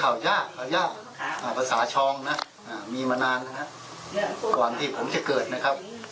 ฮาวยาปราสาผิดชองน่ะมีมานานน่ะฮะกว่านี้ผมจะเกิดนะครับ